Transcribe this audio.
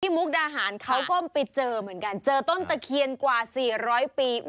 มุกดาหารเขาก็ไปเจอเหมือนกันเจอต้นตะเคียนกว่า๔๐๐ปี